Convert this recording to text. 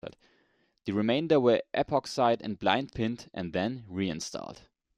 The remainder were epoxied and blind pinned, and then reinstalled.